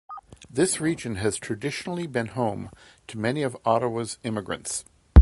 This region has traditionally been home to many of Ottawa's immigrants.